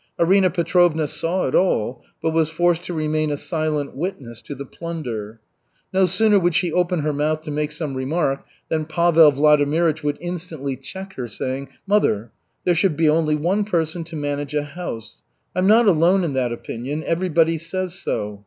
Arina Petrovna saw it all, but was forced to remain a silent witness to the plunder. No sooner would she open her mouth to make some remark, than Pavel Vladimirych would instantly check her, saying: "Mother, there should be only one person to manage a house. I'm not alone in that opinion, everybody says so.